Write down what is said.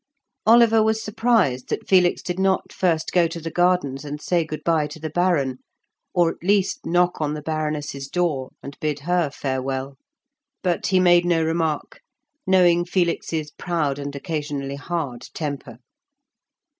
Oliver was surprised that Felix did not first go to the gardens and say good bye to the Baron, or at least knock at the Baroness's door and bid her farewell. But he made no remark, knowing Felix's proud and occasionally hard temper.